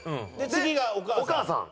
次がお母さん？